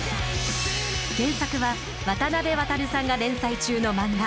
原作は渡辺航さんが連載中の漫画。